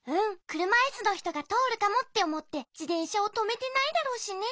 「くるまいすのひとがとおるかも」っておもってじてんしゃをとめてないだろうしね。